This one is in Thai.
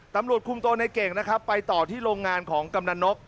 ตำรวจคุมตัวในเก่งนะครับไปต่อที่โรงงานของกำนันนก